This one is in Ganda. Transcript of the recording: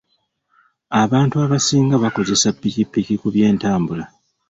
Abantu abasinga bakozesa ppikipiki ku by'entambula.